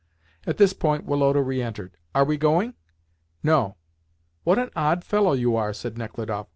At this point Woloda re entered. "Are we going?" "No." "What an odd fellow you are!" said Nechludoff.